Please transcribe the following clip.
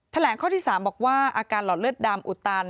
ข้อที่๓บอกว่าอาการหลอดเลือดดำอุดตัน